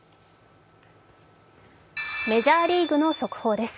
メジャーリーグの速報です。